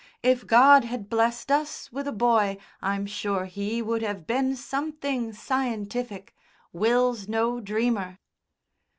If God had blessed us with a boy, I'm sure he would have been something scientific. Will's no dreamer."